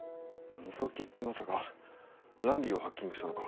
「覗き」ってまさかランリーをハッキングしたのか？